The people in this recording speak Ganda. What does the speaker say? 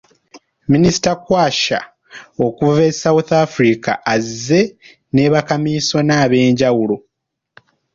Minisita Skwatsha okuva e South Africa yazze ne bakamiisona ab'enjawulo.